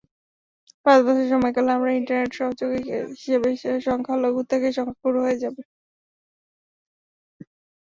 পাঁচ বছরের সময়কালে আমরা ইন্টারনেট সংযোগের হিসাবে সংখ্যালঘু থেকে সংখ্যাগুরু হয়ে যাব।